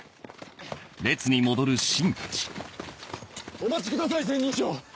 お待ちください千人将。